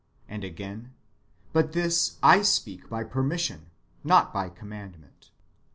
^ And again :" But this I speak by permission, not by commandment."